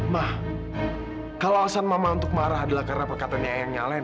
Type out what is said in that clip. ma kalau alasan mama untuk marah adalah karena perkataan nyayangnya alena